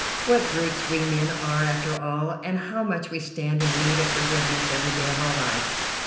What brutes we men are after all, and how much we stand in need of forgiveness every day of our lives!